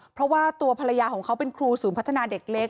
เพราะว่าตัวภรรยาของเขาเป็นครูศูนย์พัฒนาเด็กเล็ก